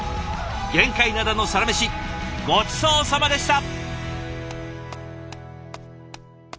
玄界灘のサラメシごちそうさまでした！